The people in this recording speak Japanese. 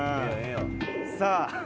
さあ。